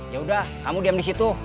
ya udah kamu diam di situ